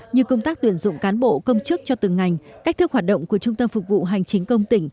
như công tác tuyển dụng cán bộ công chức cho từng ngành cách thức hoạt động của trung tâm phục vụ hành chính công tỉnh